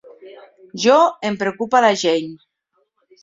Jo, em preocupa la Jane.